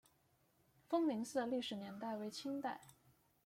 丰宁寺的历史年代为清代。